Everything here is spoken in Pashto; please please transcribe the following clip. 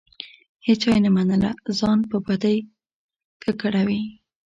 هیچا یې نه منله؛ ځان په بدۍ ککړوي.